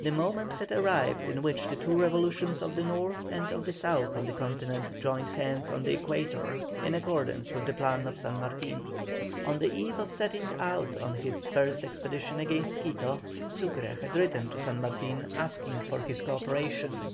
The moment had arrived in which the two revolutions of the North and of the South of the Continent joined hands on the Equator, in accordance with the plan of San Martin. On the eve of setting out on his first expedition against Quito, Sucre had written to San Martin asking for his co operation.